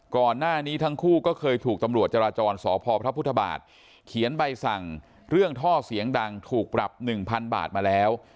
ก่อนหน้านี้ทั้งคู่ก็เคยถูกตำรวจจราจรสพพระพุทธบาทเขียนใบสั่งเรื่องท่อเสียงดังถูกปรับ๑๐๐๐บาทมาแล้ว